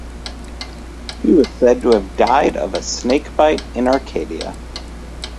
He was said to have died of a snakebite in Arcadia.